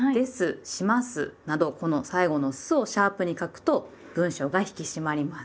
「します」などこの最後の「す」をシャープに書くと文章が引き締まります。